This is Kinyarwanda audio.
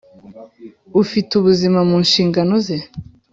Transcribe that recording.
Ufite ubuzima mu nshingano ze